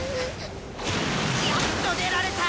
やっと出られた！